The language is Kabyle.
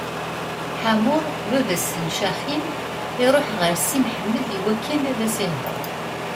Ḥamur, baba-s n Caxim, iṛuḥ ɣer Si Mḥemmed iwakken ad s-ihdeṛ.